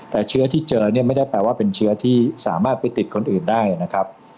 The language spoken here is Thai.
แต่เชื้อที่เจอเนี่ยไม่ได้แปลว่าเป็นเชื้อที่สามารถไปติดคนอื่นได้นะครับ